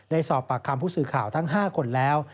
สอบปากคำผู้สื่อข่าวทั้ง๕คนแล้ว